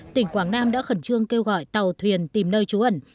tỉnh quảng nam đã khẩn trương kêu gọi tàu thuyền tìm nơi trú ẩn